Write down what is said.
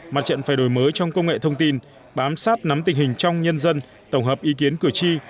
mặt trận phải đổi mới trong công nghệ thông tin bám sát nắm tình hình trong nhân dân tổng hợp ý kiến cử tri